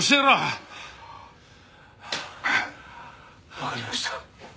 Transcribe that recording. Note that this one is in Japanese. わかりました。